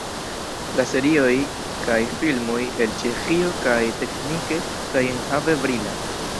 La serioj kaj filmoj el Ĉeĥio kaj teknike kaj enhave brilas.